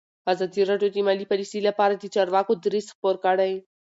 ازادي راډیو د مالي پالیسي لپاره د چارواکو دریځ خپور کړی.